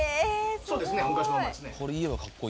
そうですね昔のままですね。